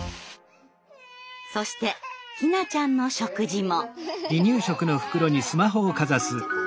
そしてひなちゃんの食事も。